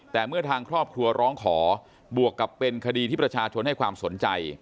แต่เมื่อทางครอบครัวร้องขอบวกกับเป็นคดีที่ประชาชนให้ความสนใจ